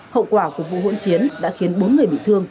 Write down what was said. hậu quả của vụ hỗn chiến đã khiến bốn người bị thương